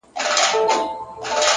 د حقیقت درناوی شخصیت پیاوړی کوي.!